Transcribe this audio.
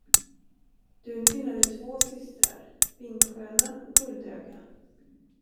Dunfin hade två systrar: Vingsköna och Guldöga.